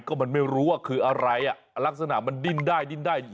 ก็มันไม่รู้ว่าคืออะไรลักษณะมันดิ้นได้